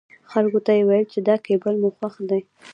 خلکو ته يې ويل چې دا کېبل مو خوښ دی.